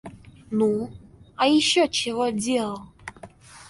Ну а ещё чего делал?